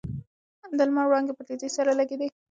د لمر وړانګې په تېزۍ سره لګېدې.